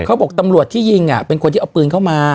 เขาบอกตำรวจที่ยิงเป็นคนที่เอาปืนเข้ามา